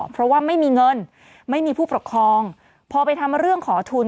เพราะว่าไม่มีเงินไม่มีผู้ปกครองพอไปทำเรื่องขอทุน